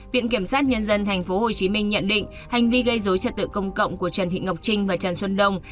viện kiểm sát nhân dân tp hcm nhận định hành vi gây dối trật tự công cộng của trần thị ngọc trinh và trần xuân đông